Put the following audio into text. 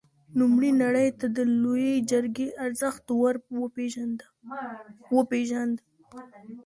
نوموړي نړۍ ته د لويې جرګې ارزښت ور وپېژاند.